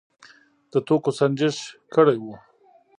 د توکو سنجش کړی و.